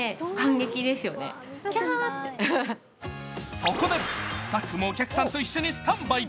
そこで、スタッフもお客さんと一緒にスタンバイ。